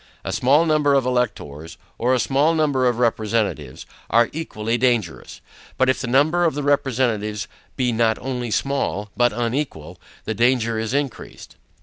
A small number of electors, or a small number of representatives, are equally dangerous. But if the number of the representatives be not only small, but unequal, the danger is increased.